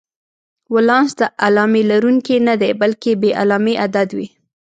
ولانس د علامې لرونکی نه دی، بلکې بې علامې عدد وي.